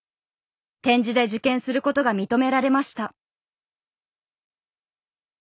点字で受験することが認められました。